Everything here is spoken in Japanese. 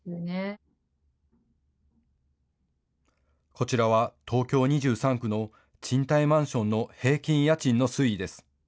こちらは東京２３区の賃貸マンションの平均家賃の推移です。